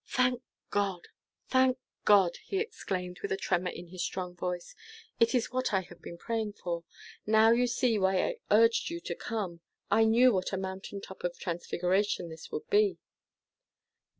"Thank God! Thank God!" he exclaimed, with a tremor in his strong voice. "It is what I have been praying for. Now you see why I urged you to come. I knew what a mountain top of transfiguration this would be."